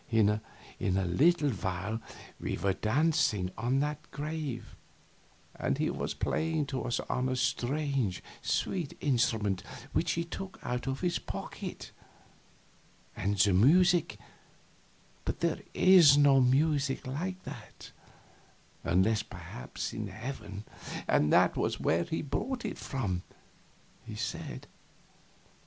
In a little while we were dancing on that grave, and he was playing to us on a strange, sweet instrument which he took out of his pocket; and the music but there is no music like that, unless perhaps in heaven, and that was where he brought it from, he said.